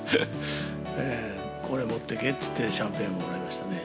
これ持っていけって言って、シャンペンもらいましたね。